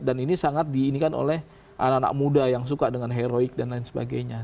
dan ini sangat diinginkan oleh anak anak muda yang suka dengan heroik dan lain sebagainya